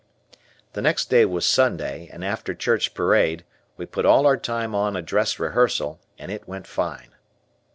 The next day was Sunday and after church parade we put all our time on a dress rehearsal, and it went fine.